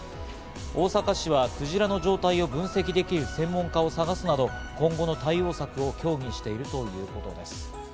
大阪市はクジラの状態を分析できる専門家を探すなど、今後の対応策を協議しているということです。